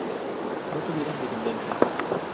No tuvieron descendencia.